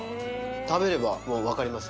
食べれば分かります